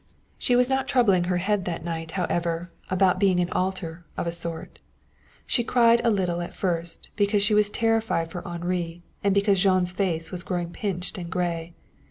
She was not troubling her head that night, however, about being an altar, of a sort. She cried a little at first, because she was terrified for Henri and because Jean's face was growing pinched and gray.